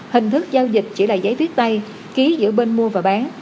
hình thức giao dịch chỉ là giấy viết tay ký giữa bên mua và bán